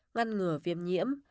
ngăn ngừa viêm nhiễm